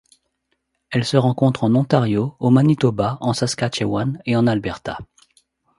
Elle se rencontre en Ontario, au Manitoba, en Saskatchewan et en Alberta.